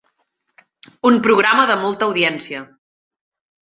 Un programa de molta audiència.